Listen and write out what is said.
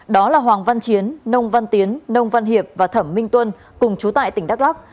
đó là hoàng văn chiến nông văn tiến nông văn hiệp và thẩm minh tuân cùng chú tại tỉnh đắk lắc